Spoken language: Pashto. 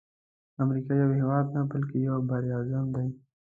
امریکا یو هیواد نه بلکی یو بر اعظم دی.